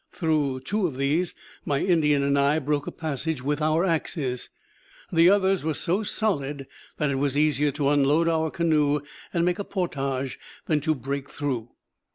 Through two of these my Indian and I broke a passage with our axes; the others were so solid that it was easier to unload our canoe and make a portage than to break through.